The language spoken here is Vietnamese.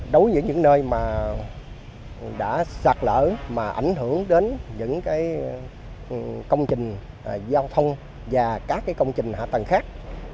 đối với những nơi mà đã sạt lỡ mà ảnh hưởng đến những công trình giao thông và các công trình hạ tầng khác